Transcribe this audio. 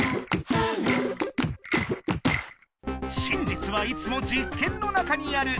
じつはいつも実験の中にある！